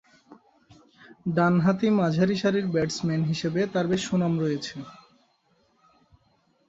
ডানহাতি মাঝারিসারির ব্যাটসম্যান হিসেবে তার বেশ সুনাম রয়েছে।